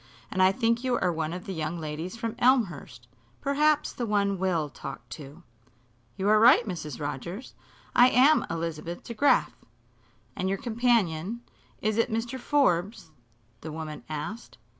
"And I think you are one of the young ladies from Elmhurst perhaps the one Will talked to." "You are right, Mrs. Rogers. I am Elizabeth DeGraf." "And your companion is it Mr. Forbes?" the woman asked.